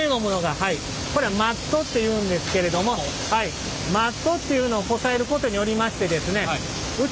これはマットっていうんですけれどもマットっていうのをこさえることによりましてですね内